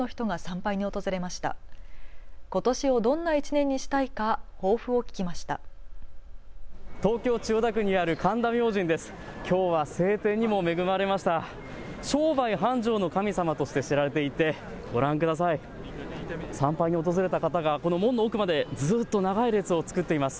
参拝に訪れた方がこの門の奥までずっと長い列を作っています。